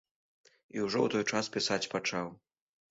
І ўжо ў той час пісаць пачаў.